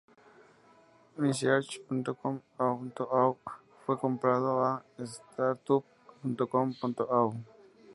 Mysearch.com.au fue comprado a startup.com.au